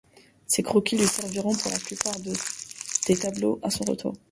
Ses croquis lui serviront pour la plupart des tableaux à son retour.